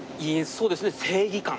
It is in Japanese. そうですね正義感。